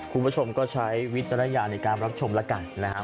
คุณผู้ชมก็ใช้วิจารณญาณในการรับชมแล้วกันนะครับ